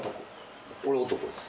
俺男です。